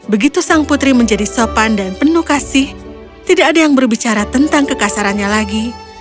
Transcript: begitu sang putri menjadi sopan dan penuh kasih tidak ada yang berbicara tentang kekasarannya lagi